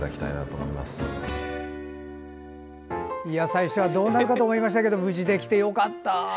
最初はどうなるかと思いましたけど無事できてよかった！